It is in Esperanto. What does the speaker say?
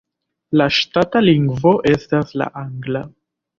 La ŝtata lingvo estas la angla.